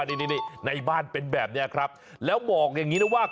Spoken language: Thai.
นี่ในบ้านเป็นแบบนี้ครับแล้วบอกอย่างนี้นะว่า